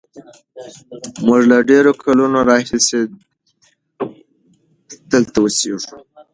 موږ له ډېرو کلونو راهیسې دلته اوسېږو.